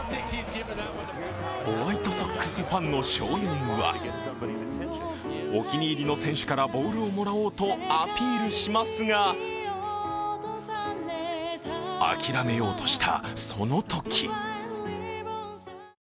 ホワイトソックスの少年はお気に入りの選手からボールをもらおうとアピールしますが諦めようとしたそのとき。